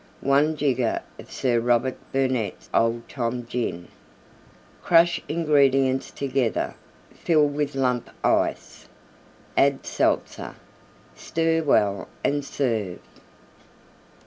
1 jigger of Sir Robert Burnette's Old Tom Gin.\s+\d\d? Crush ingredients together; fill with Lump Ice; add Seltzer. Stir well and serve.